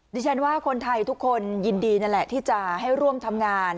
ดิฉันว่าคนไทยทุกคนยินดีนั่นแหละที่จะให้ร่วมทำงาน